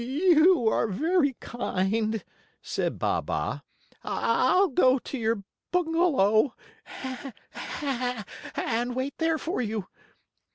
"You are very kind," said Baa baa. "I'll go to your bungalow and wait there for you."